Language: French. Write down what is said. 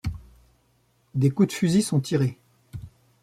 Des coups de fusil sont tirés.